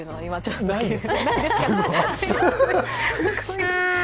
ないです。